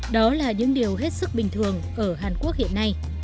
đó là những điều hết sức bình thường ở hàn quốc hiện nay